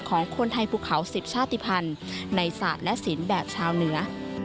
ของคนไทยภูเขา๑๐ชาติภัณฑ์ในศาสตร์และศิลป์แบบชาวเหนือ